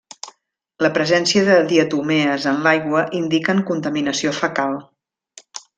La presència de diatomees en l'aigua indiquen contaminació fecal.